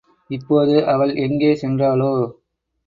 இப்போது அவள் எங்கே சென்றாளோ?